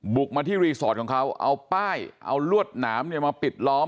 บุกมาที่รีสอร์ทของเขาเอาป้ายเอาลวดหนามมาปิดล้อม